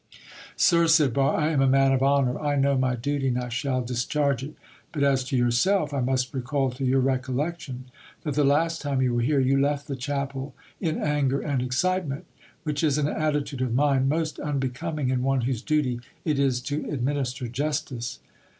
"Sir," said Barre, "I am a man of honour, I know my duty and I shall discharge it; but as to yourself, I must recall to your recollection that the last time you were here you left the chapel in anger and excitement, which is an attitude of mind most unbecoming in one whose duty it is to administer justice."